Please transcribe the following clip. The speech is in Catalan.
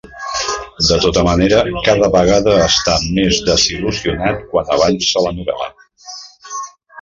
De tota manera, cada vegada està més desil·lusionat quan avança la novel·la.